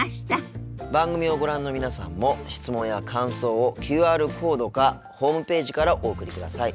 番組をご覧の皆さんも質問や感想をＱＲコードかホームページからお送りください。